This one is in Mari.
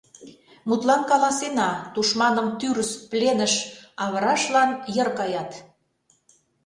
Мутлан каласена: тушманым тӱрыс пленыш авырашлан йыр каят.